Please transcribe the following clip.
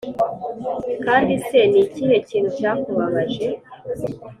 kandi se ni ikihe kintu cyakubabaje